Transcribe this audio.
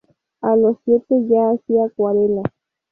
A los siete ya hacia acuarelas.